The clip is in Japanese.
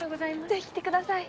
ぜひ来てください